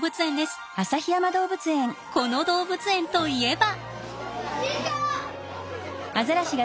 この動物園といえば。